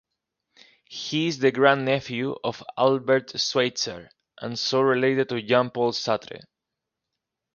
He is the grandnephew of Albert Schweitzer, and so related to Jean-Paul Sartre.